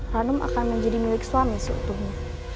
hanum akan menjadi milik suami seutuhnya